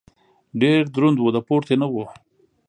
ډېر دروند و . د پورتې نه و.